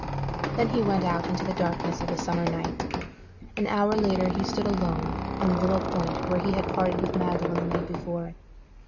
Then he went out into the darkness of the summer night. An hour later he stood alone on the little point where he had parted with Magdalen the night before.